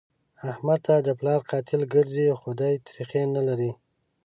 احمد ته د پلار قاتل ګرځي؛ خو دی تريخی نه لري.